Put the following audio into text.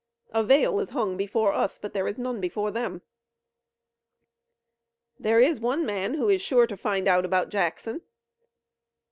A veil is hung before us, but there is none before them." "There is one man who is sure to find out about Jackson."